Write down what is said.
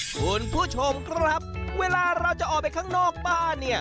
คุณผู้ชมครับเวลาเราจะออกไปข้างนอกบ้านเนี่ย